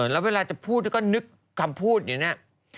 แล้วเวลาจะพูดก็นึกคำพูดนี้นี่นะ